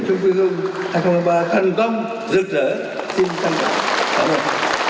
xuân quế hương hạnh phúc và thành công rực rỡ xin chân trọng cảm ơn